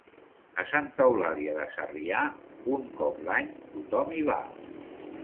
A Santa Eulàlia de Sarrià, un cop l'any tothom hi va.